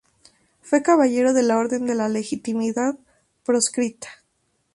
Fue caballero de la Orden de la Legitimidad Proscrita.